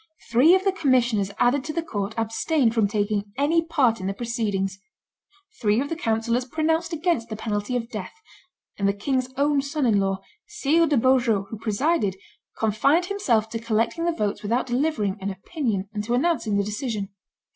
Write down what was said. Three of the commissioners added to the court abstained from taking any part in the proceedings; three of the councillors pronounced against the penalty of death; and the king's own son in law, Sire de Beaujeu, who presided, confined himself to collecting the votes without delivering an opinion, and to announcing the decision.